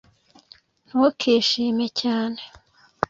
ntukishime cyane